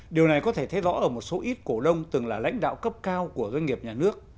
điều này có thể thấy rõ ở một số ít cổ đông từng là lãnh đạo cấp cao của doanh nghiệp nhà nước